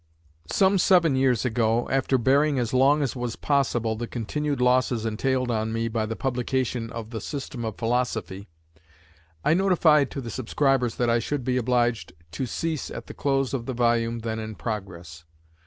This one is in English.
Some seven years ago, after bearing as long as was possible the continued losses entailed on me by the publication of the "System of Philosophy," I notified to the subscribers that I should be obliged to cease at the close of the volume then in progress.